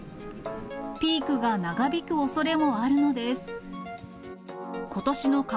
ピークが長引くおそれもあるのです。